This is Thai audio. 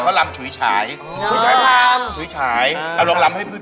ก็ชุ้ยไงเหม็นชุ้ยไงพี่